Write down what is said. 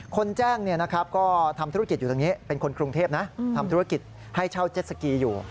คนแจ้งก็ทำธุรกิจอยู่ตรงนี้เป็นคนกรุงเทพนะทำธุรกิจให้เช่าเจ็ดสกีอยู่